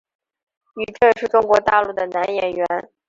于震是中国大陆的男演员。